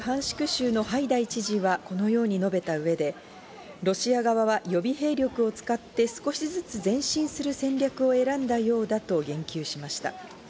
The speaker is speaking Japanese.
州のハイダイ知事はこのように述べた上で、ロシア側は予備兵力を使って、少しずつ前進する戦略を選んだようだと言及しました。